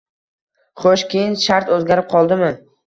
— Xo‘sh, keyin shart o‘zgarib qoldimi?